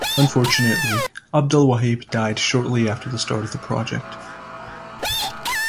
Unfortunately, Abdelwaheb died shortly after the start of the project.